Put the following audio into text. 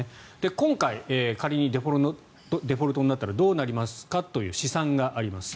今回、仮にデフォルトになったらどうなりますかという試算があります。